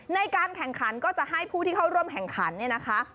ในการแข่งขันก็จะให้ผู้ที่เข้าร่วมแข่งขันเนี่ยนะคะ